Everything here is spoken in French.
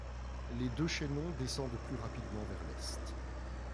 Les deux chaînons descendent plus rapidement vers l’est.